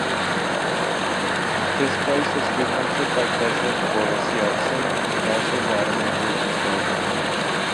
This place was frequented by President Boris Yeltsin and is also Vladimir Putin's favorite.